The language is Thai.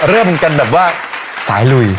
เริ่มกันแบบว่าสายลุย